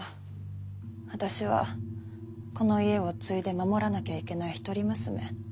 私はこの家を継いで守らなきゃいけないひとり娘。